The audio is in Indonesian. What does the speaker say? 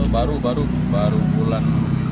baru baru bulan sebelas